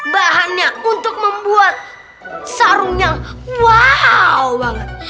bahannya untuk membuat sarung yang wow banget